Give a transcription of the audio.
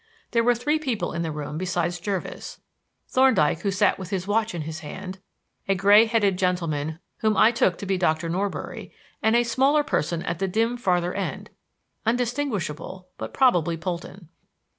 There were three people in the room besides Jervis: Thorndyke, who sat with his watch in his hand, a gray headed gentleman whom I took to be Dr. Norbury, and a smaller person at the dim farther end undistinguishable, but probably Polton.